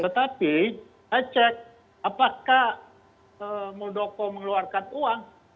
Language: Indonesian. tetapi saya cek apakah muldoko mengeluarkan uang